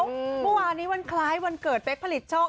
เมื่อวานนี้วันคล้ายวันเกิดเป๊กผลิตโชค